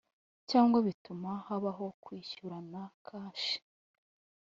cyangwa bituma habaho kwishyurana kashi.